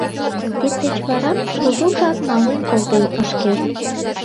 Тиддеч вара кужу жап мален колтен ыш керт.